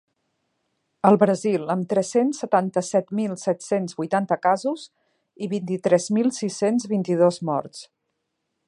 El Brasil, amb tres-cents setanta-set mil set-cents vuitanta casos i vint-i-tres mil sis-cents vint-i-dos morts.